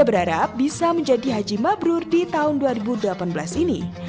berharap bisa menjadi haji mabrur di tahun dua ribu delapan belas ini